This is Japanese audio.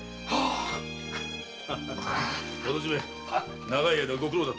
元締長い間ご苦労だったな。